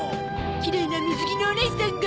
きれいな水着のおねいさんが。